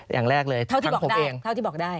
อย่างแรกเลยทางผมเองเท่าที่บอกได้